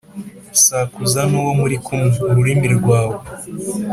Sakuza n'uwo muri kumwe-Ururimi rwawe.